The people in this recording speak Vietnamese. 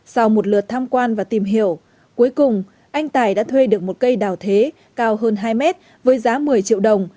sau một lượt tham quan và tìm hiểu cuối cùng anh tài đã thuê được một cây đào thế cao hơn hai mét với giá một mươi triệu đồng